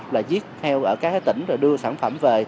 là giết theo ở các tỉnh rồi đưa sản phẩm về